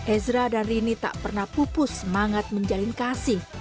ezra dan rini tak pernah pupus semangat menjalin kasih